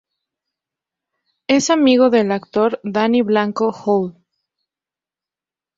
Es amigo del actor Danny Blanco-Hall.